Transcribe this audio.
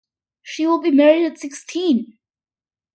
She will be married at sixteen!